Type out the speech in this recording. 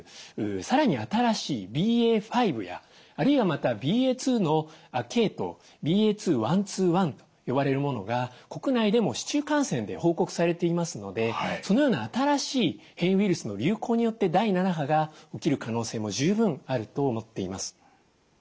さらに新しいＢＡ．５やあるいはまたＢＡ．２の亜系統ＢＡ．２．１２．１と呼ばれるものが国内でも市中感染で報告されていますのでそのような新しい変異ウイルスの流行によって第７波が起きる可能性も十分あると思っています。